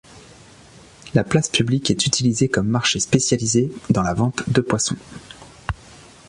La place publique est utilisée comme marché spécialisé dans la vente de poissons.